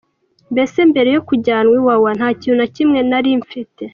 Mbese mbere yo kujyanwa Iwawa, nta kintu na kimwe nari mfite.